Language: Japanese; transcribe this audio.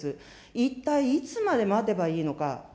一体いつまで待てばいいのか。